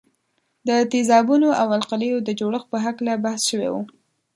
د تیزابونو او القلیو د جوړښت په هکله بحث شوی وو.